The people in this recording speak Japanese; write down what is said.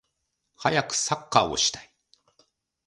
はやくサッカーをしたい